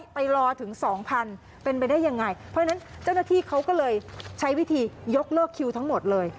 ไปรอถึงสองพันเป็นไปได้ยังไงเพราะฉะนั้นเจ้าหน้าที่เขาก็เลยใช้วิธียกเลิกคิวทั้งหมดเลย